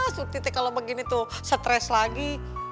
siti kalau begini tuh stres lagi